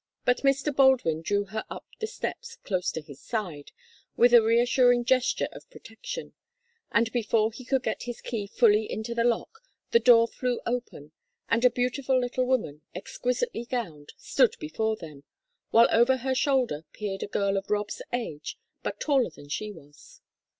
But Mr. Baldwin drew her up the steps close to his side, with a reassuring gesture of protection, and before he could get his key fully into the lock, the door flew open, and a beautiful little woman, exquisitely gowned, stood before them, while over her shoulder peered a girl of Rob's age, but taller than she was.